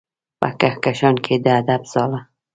په کهکشان کې د ادب ځاله